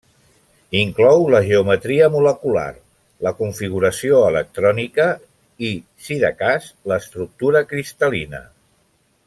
Inclou la geometria molecular, la configuració electrònica i, si de cas, l'estructura cristal·lina.